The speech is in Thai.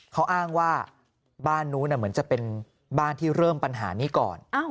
เขาอ้างว่าบ้านนู้นเหมือนจะเป็นบ้านที่เริ่มปัญหานี้ก่อน